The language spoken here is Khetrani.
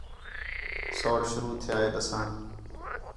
سوڑ شروع تِھیا ہِے ݙَسّݨ